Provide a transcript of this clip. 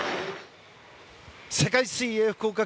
世界水泳福岡。